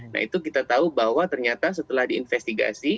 nah itu kita tahu bahwa ternyata setelah diinvestigasi